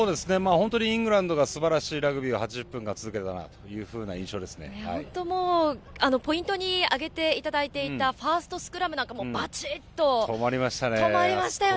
本当にイングランドが素晴らしいラグビーを８０分間続けたなとい本当、もう、ポイントに挙げていただいていたファーストスクラムなんかもばち止まりましたね。